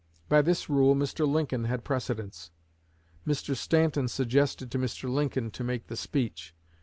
By this rule Mr. Lincoln had precedence. Mr. Stanton suggested to Mr. Lincoln to make the speech.